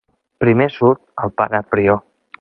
Primer surt el pare prior.